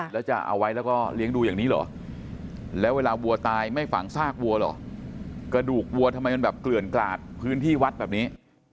แล้วจะเอาไว้แล้วก็เลี้ยงดูอย่างนี้เหรอแล้วเวลาวัวตายไม่ฝังซากวัวเหรอกระดูกวัวทำไมมันแบบเกลื่อนกลาดพื้นที่วัดแบบนี้